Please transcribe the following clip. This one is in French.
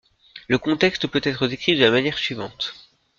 Le contexte peut être décrit de la manière suivante.